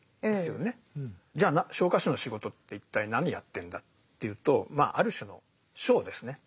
じゃ昇火士の仕事って一体何やってんだっていうとまあある種のショーですね。